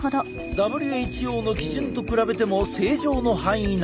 ＷＨＯの基準と比べても正常の範囲内。